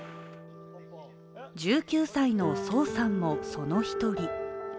１９歳のソーさんも、その一人。